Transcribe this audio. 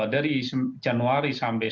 dari januari sampai